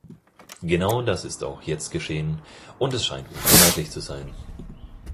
Genau das ist auch jetzt geschehen, und es scheint unvermeidlich zu sein.